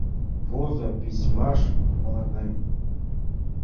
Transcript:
Возо письмаш мыланем.